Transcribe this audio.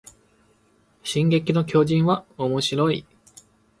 進撃の巨人はおもしろい